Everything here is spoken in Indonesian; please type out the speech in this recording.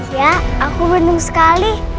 iya aku beruntung sekali